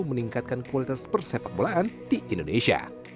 meningkatkan kualitas persepak bolaan di indonesia